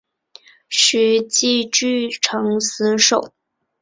徐揖据城死守。